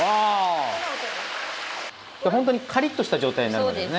ほんとにカリッとした状態になるんですよね。